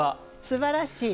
すばらしい。